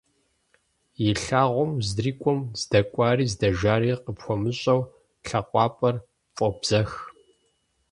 И лъагъуэм уздрикIуэм, здэкIуари здэжари къыпхуэмыщIэу, лъакъуапIэр пфIобзэх.